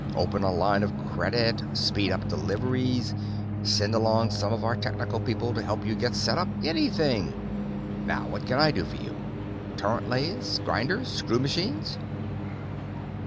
Open a line of credit, speed up deliveries, send along some of our technical people to help you get set up—anything. Now, what can I do for you? Turret lathes? Grinders? Screw machines?"